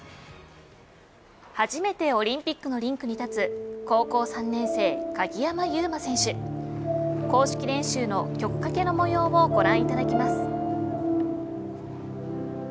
初めてオリンピックのリンクに立つ高校３年生、鍵山優真選手公式練習の曲かけの模様をご覧いただきます。